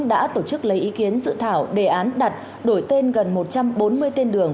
đã tổ chức lấy ý kiến dự thảo đề án đặt đổi tên gần một trăm bốn mươi tên đường